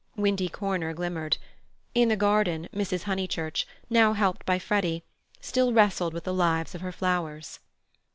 Windy Corner glimmered. In the garden, Mrs. Honeychurch, now helped by Freddy, still wrestled with the lives of her flowers.